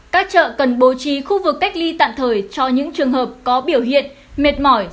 các chợ cần bố trì khu vực cách ly tạm thời cho những trường hợp có biểu hiện mệt mỏi